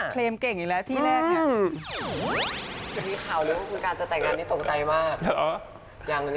เคลมเก่งอีกแล้วที่แรก